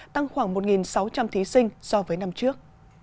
tăng khoảng một sáu trăm linh thí sinh so với năm trước